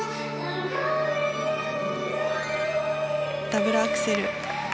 ダブルアクセル。